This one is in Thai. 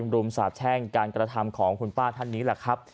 รุมสาบแช่งการกระทำของคุณป้าท่านนี้แหละครับ